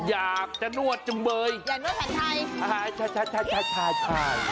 อยากจะนวดจำเบยอยากนวดแผนไทยใช่ใช่ใช่ใช่